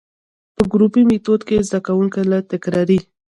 په ګروپي ميتود کي زده کوونکي له تکراري،